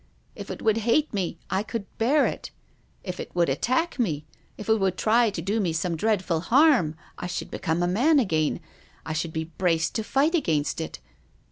If it would hate me, I could bear it. If it would attack me, if it would try to do me some dreadful harm, I should become a man again. I should be braced to fight against it.